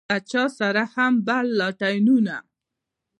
له چا سره هم بل لاټينونه.